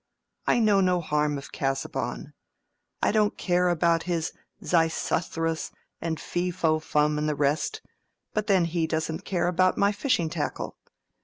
I know no harm of Casaubon. I don't care about his Xisuthrus and Fee fo fum and the rest; but then he doesn't care about my fishing tackle.